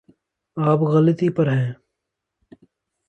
آپ غلطی پر ہیں